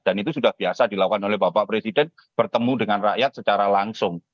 dan itu sudah biasa dilakukan oleh bapak presiden bertemu dengan rakyat secara langsung